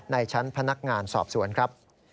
ในชั้นพนักงานสอบสวนครับ